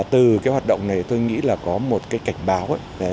từ cái hoạt động này tôi nghĩ là có một cái cảnh báo